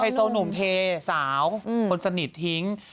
โซนุ่มเทสาวคนสนิททิ้ง